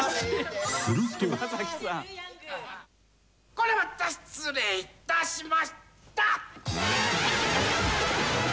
「これまた失礼いたしました」